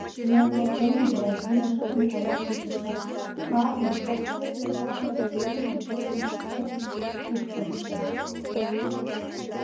Нойымыж дене Буратино, шыжым колаш тӧчышӧ кармын пыкше пӧрдалмыже семын, йолжым пыкше шупшыштын.